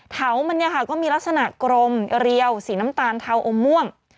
เถามันก็มีลักษณะกรมเรียวสีน้ำตาลเถาอม่วง